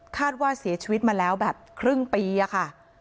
คาดว่าเสียชีวิตมาแล้วแบบครึ่งปีอะค่ะ